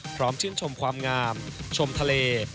พร้อมชื่นชมความงามชมทะเล